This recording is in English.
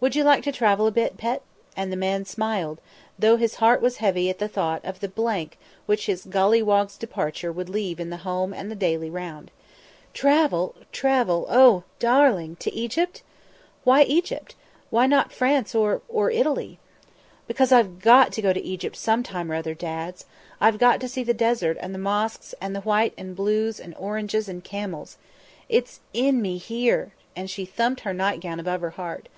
"Would you like to travel a bit, pet?" And the man smiled, though his heart was heavy at the thought of the blank which his Golliwog's departure would leave in the home and the daily round. "Travel! Travel! Oh! darling to Egypt? "Why Egypt? Why not France or or Italy?" "Because I've got to go to Egypt sometime or another, Dads. I've got to see the desert and the mosques and the whites and blues and oranges and camels. It's in me here," and she thumped her nightgown above her heart.